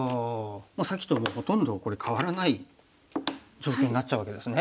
もうさっきとほとんどかわらない状態になっちゃうわけですね。